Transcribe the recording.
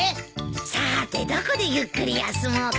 さーてどこでゆっくり休もうかな。